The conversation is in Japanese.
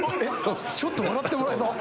ちょっと笑ってもらえた。